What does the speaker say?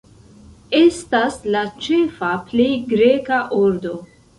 Estas la ĉefa plej greka ordo.